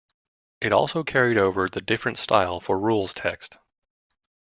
It also carried over the different style for rules text.